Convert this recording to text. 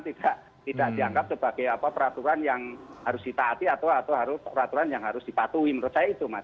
tidak dianggap sebagai peraturan yang harus ditaati atau peraturan yang harus dipatuhi menurut saya itu mas